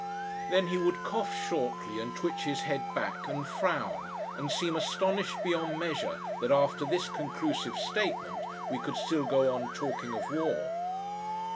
Then he would cough shortly and twitch his head back and frown, and seem astonished beyond measure that after this conclusive statement we could still go on talking of war.